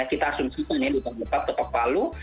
kita asumsi hanya di tempat tempat ketok palu